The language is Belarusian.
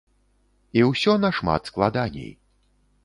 І ўсё нашмат складаней.